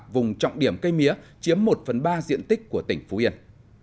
vùng trọng điểm cây mía chiếm một phần ba diện tích của tỉnh phú yên